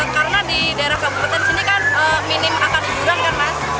karena di daerah kabupaten ini kan minim akan hiburan kan mas